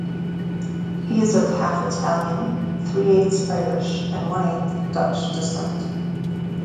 He is of half Italian, three-eighths Irish, and one-eighth Dutch descent.